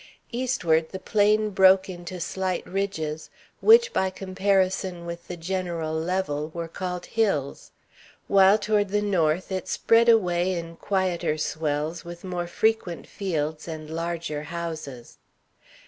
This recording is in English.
Eastward the plain broke into slight ridges, which, by comparison with the general level, were called hills; while toward the north it spread away in quieter swells, with more frequent fields and larger houses.